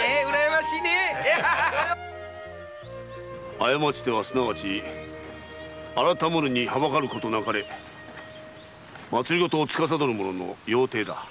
「過ちてはすなわち改むるにはばかることなかれ」政を司る者の要諦だ。